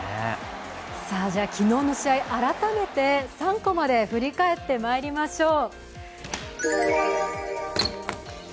昨日の試合、改めて３コマで振り返ってまいりましょう。